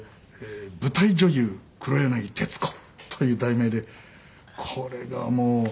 『舞台女優黒柳徹子』という題名でこれがもう。